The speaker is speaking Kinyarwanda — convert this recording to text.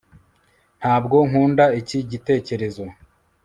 ntabwo nkunda iki gitekerezo